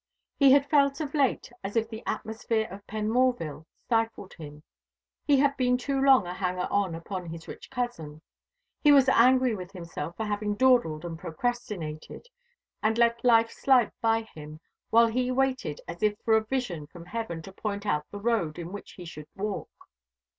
He had felt of late as if the atmosphere of Penmorval stifled him. He had been too long a hanger on upon his rich cousin. He was angry with himself for having dawdled and procrastinated, and let life slide by him, while he waited as if for a vision from heaven, to point out the road, in which he should walk.